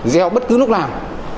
reo bất cứ lúc nào